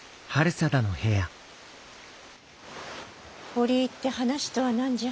折り入って話とは何じゃ。